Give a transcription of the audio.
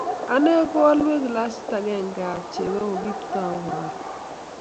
ane ko a lue glasit akenge ab chego koKiptooo a ru